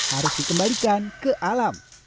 harus dikembalikan ke alam